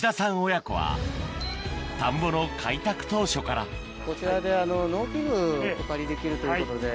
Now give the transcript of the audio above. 親子は田んぼの開拓当初からこちらで農機具お借りできるということで。